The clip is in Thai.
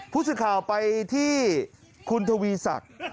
ผู้สินค้าไปที่คุณทวีสัก